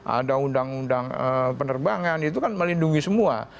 ada undang undang penerbangan itu kan melindungi semua